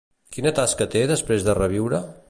Quina tasca té després de reviure?